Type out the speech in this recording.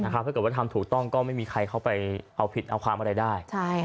ถ้าเกิดว่าทำถูกต้องก็ไม่มีใครเข้าไปเอาผิดเอาความอะไรได้